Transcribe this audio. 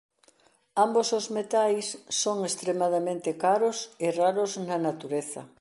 Ambos os metais son extremadamente caros e raros na natureza.